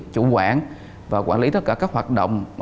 chủ quản và quản lý tất cả các hoạt động